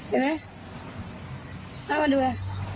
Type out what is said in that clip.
เห็นไหมเอามาดูเลย